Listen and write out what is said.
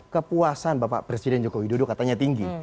kepuasan bapak presiden jokowi dodo katanya tinggi